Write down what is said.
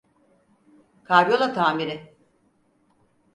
Karyola tamiri…